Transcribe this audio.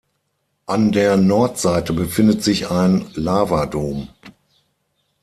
An der Nordseite befindet sich ein Lavadom.